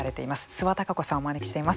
諏訪貴子さんをお招きしています。